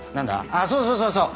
ああそうそうそう。